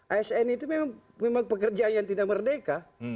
asn itu memang pekerjaan yang tidak merdeka